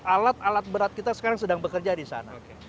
alat alat berat kita sekarang sedang bekerja di sana